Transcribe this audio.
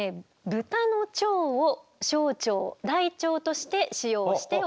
豚の腸を小腸・大腸として使用しております。